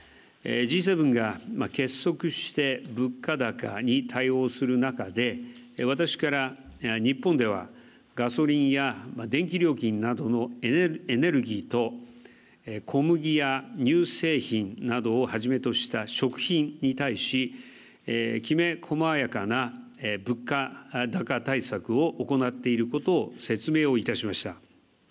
Ｇ７が結束して物価高に対応する中で、私から、日本ではガソリンや電気料金などのエネルギーと小麦や乳製品などをはじめとした食品に対しきめ細やかな物価高対策を行っていることを説明をいたしました。